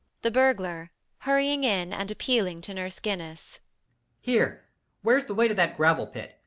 THE BURGLAR [hurrying in and appealing to Nurse Guinness]. Here: where's the way to that gravel pit?